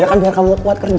ya kan biar kamu kuat kerja